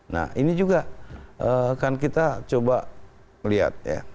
nah ini juga akan kita coba lihat